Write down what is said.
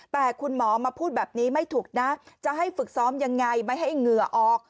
แต่คุณหมอมาพูดแบบนี้ไม่ถูกนะจะให้ฝึกซ้อมยังไงไม่ให้เหงื่อออก